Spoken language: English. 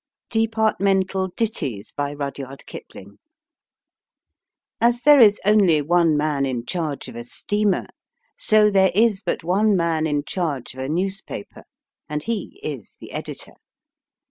DEPARTMENTAL DITTIES BY RUDYARD KIPLING S there is only one man in charge of a steamer, so there is but one man in charge of a news paper, and he is the editor.